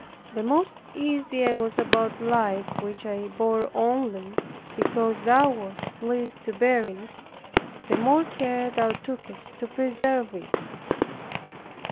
The more easy I was about life, which I bore only because Thou wast pleased to bear it, the more care Thou tookest to preserve it.